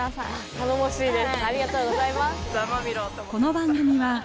頼もしいです